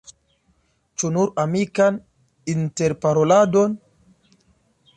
Ĉu nur amikan interparoladon?